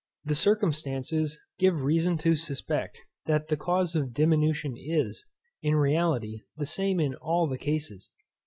These circumstances give reason to suspect, that the cause of diminution is, in reality, the same in all the cases.